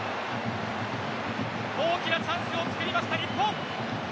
大きなチャンスをつくりました日本。